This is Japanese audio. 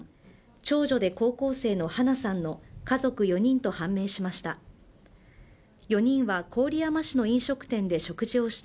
長女で高校生の華奈さんの家族４人と判明しました。